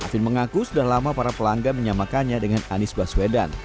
alvin mengaku sudah lama para pelanggan menyamakannya dengan anies baswedan